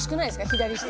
左下。